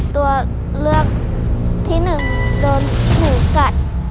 ตัวเลือกที่๑โดนหนูกัด